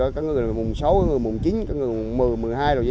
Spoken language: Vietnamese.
các ngư dân là mùng sáu mùng chín mùng một mươi mùng một mươi hai rồi